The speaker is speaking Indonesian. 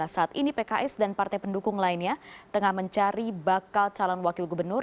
saat ini pks dan partai pendukung lainnya tengah mencari bakal calon wakil gubernur